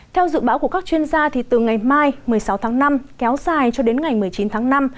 theo dự báo của các chuyên gia từ ngày mai một mươi sáu tháng năm kéo dài cho đến ngày một mươi chín tháng năm